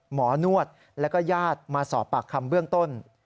หมอนวดแล้วก็ญาติมาสอบปากคำเบื้องต้น